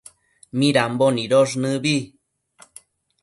midambo nidosh nëbi